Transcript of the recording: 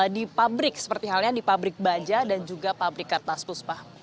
di pabrik seperti halnya di pabrik baja dan juga pabrik kertas puspa